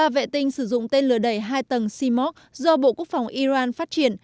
ba vệ tinh sử dụng tên lửa đẩy hai tầng shimok do bộ quốc phòng iran phát triển